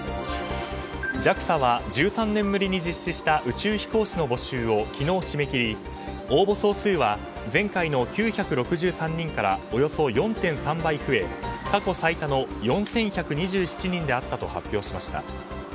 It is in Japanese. ＪＡＸＡは１３年ぶりに実施した宇宙飛行士の募集を昨日締め切り応募総数は前回の９６３人からおよそ４．３倍増え過去最多の４１２７人であったと発表しました。